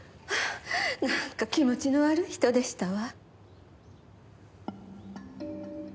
なんか気持ちの悪い人でしたわ。